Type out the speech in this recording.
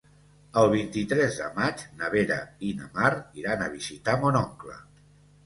El vint-i-tres de maig na Vera i na Mar iran a visitar mon oncle.